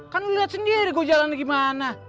kan lo liat sendiri gue jalan lagi mana